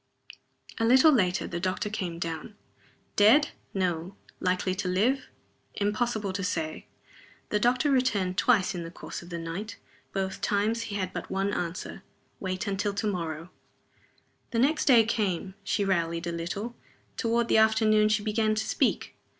A little later the doctor came down. Dead? No. Likely to live? Impossible to say. The doctor returned twice in the course of the night. Both times he had but one answer. "Wait till to morrow." The next day came. She rallied a little. Toward the afternoon she began to speak.